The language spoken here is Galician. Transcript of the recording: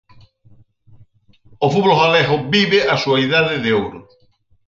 O fútbol galego vive a súa idade de ouro.